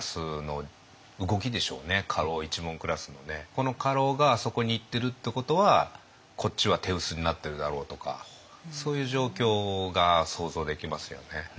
この家老があそこに行ってるってことはこっちは手薄になってるだろうとかそういう状況が想像できますよね。